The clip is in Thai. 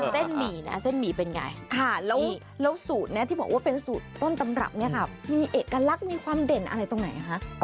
หมี่นะเส้นหมี่เป็นไงค่ะแล้วสูตรนี้ที่บอกว่าเป็นสูตรต้นตำรับเนี่ยค่ะมีเอกลักษณ์มีความเด่นอะไรตรงไหนคะ